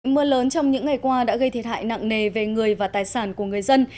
mưa lớn trong những ngày qua đã gây thiệt hại nặng nề về người và tài sản của người dân